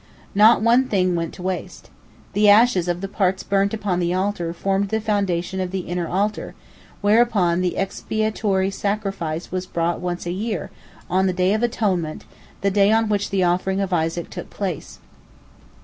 Not one thing went to waste. The ashes of the parts burnt upon the altar formed the foundation of the inner altar, whereon the expiatory sacrifice was brought once a year, on the Day of Atonement, the day on which the offering of Isaac took place.